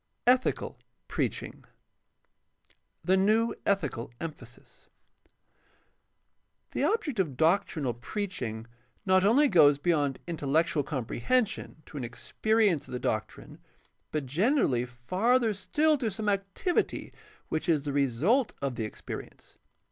5. ETmCAL PREACHING The new ethical emphasis. — The object of' doctrinal preach ing not only goes beyond intellectual comprehension to an experience of the doctrine but generally farther still to some activity which is the result of the experience.